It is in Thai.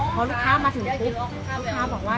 พระศรูกภาพมาถึงลูกห้าบอกว่า